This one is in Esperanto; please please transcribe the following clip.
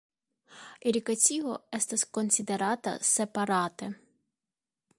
Irigacio estas konsiderata separate.